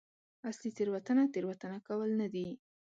اصلي تېروتنه تېروتنه کول نه دي.